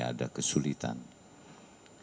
saya tidak menginginkan ada kesulitan